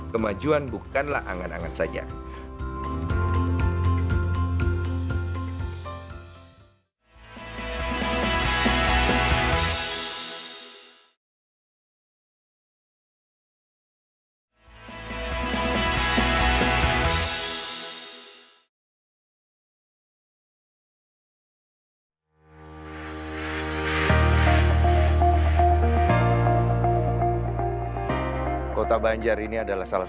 kemajuan bukanlah angan angan saja